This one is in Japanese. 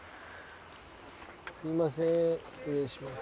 すみません失礼します。